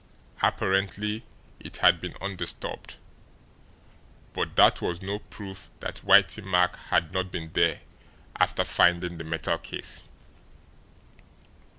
Apparently it had been undisturbed; but that was no proof that Whitey Mack had not been there after finding the metal case.